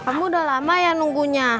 kamu udah lama ya nunggunya